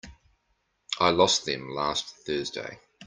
I lost them last Thursday.